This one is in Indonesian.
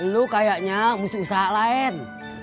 lu kayaknya mesti usaha lain